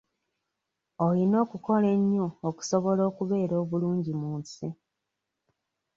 Oyina okukola ennyo okusobola okubeera obulungi mu nsi.